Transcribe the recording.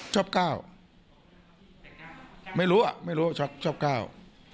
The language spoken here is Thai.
ชอบก้าวไม่รู้อ่ะไม่รู้ชอบก้าว